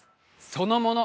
そのもの